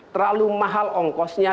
terlalu mahal ongkosnya